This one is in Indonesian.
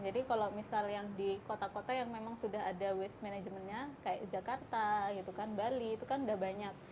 jadi kalau misal yang di kota kota yang memang sudah ada waste managementnya kayak jakarta gitu kan bali itu kan udah banyak